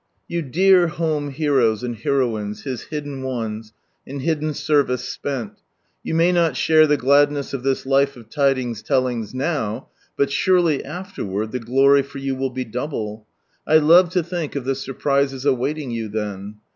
Vou dear home heroes and heroines, His hidden ones, in hidden service spent — you may not share the gladness of this life of Tidings telling now. But surely afterward, the glory for you will be double. I love to think of the surprises awaiting you then.